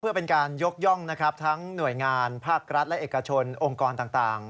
เพื่อเป็นการยกย่องนะครับทั้งหน่วยงานภาครัฐและเอกชนองค์กรต่าง